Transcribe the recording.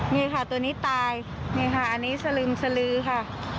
นี่ค่ะตัวนี้ตายนี่ค่ะอันนี้สลึมสลือค่ะ